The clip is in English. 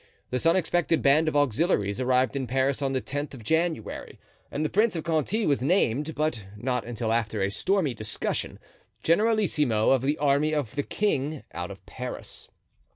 This unexpected band of auxiliaries arrived in Paris on the tenth of January and the Prince of Conti was named, but not until after a stormy discussion, generalissimo of the army of the king, out of Paris.